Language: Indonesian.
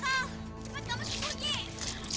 bagaimana kamu sepuluh g